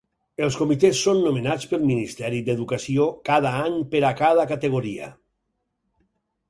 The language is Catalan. Els comitès són nomenats pel Ministre d'Educació cada any per a cada categoria.